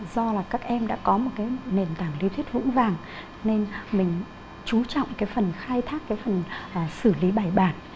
do là các em đã có một cái nền tảng lý thuyết vững vàng nên mình chú trọng cái phần khai thác cái phần xử lý bài bản